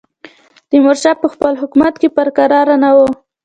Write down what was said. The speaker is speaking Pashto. تیمورشاه په خپل حکومت کې پر کراره نه وو.